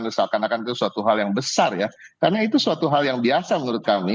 seakan akan itu suatu hal yang besar ya karena itu suatu hal yang biasa menurut kami